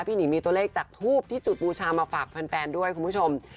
หนีมีตัวเลขจากทูบที่จุดบูชามาฝากแฟนด้วยคุณผู้ชม